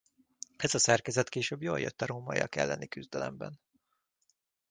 Ez a szerkezett később jól jött a rómaiak elleni küzdelemben.